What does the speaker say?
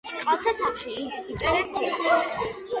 წყალსაცავში იჭერენ თევზს.